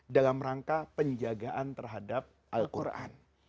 dalam rangka penjagaan terhadap al quran